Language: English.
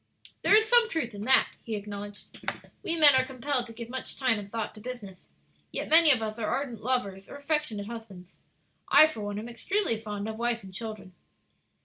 "There is some truth in that," he acknowledged; "we men are compelled to give much time and thought to business, yet many of us are ardent lovers or affectionate husbands. I, for one, am extremely fond of wife and children."